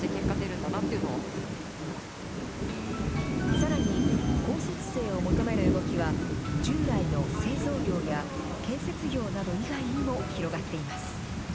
さらに、高卒生を求める動きは、従来の製造業や建設業など以外にも広がっています。